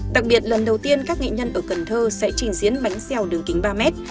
đặc biệt lần đầu tiên các nghệ nhân ở cần thơ sẽ trình diễn bánh xèo đường kính ba mét